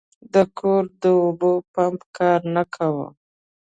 د کور د اوبو پمپ کار نه کاوه.